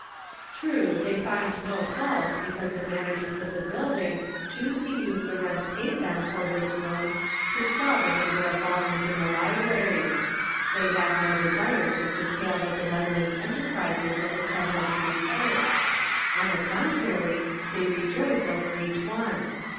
True, they find no fault because the managers of the building choose to use the rent paid them for this room to swell the number of volumes in the library. They have no desire to curtail the benevolent enterprises of the 486 The Pocket Measure. Temple Street Church ; on the contrary, they rejoice over each one.